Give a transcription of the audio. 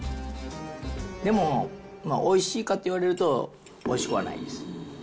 でも、まあ、おいしいかって言われると、おいしくはないです。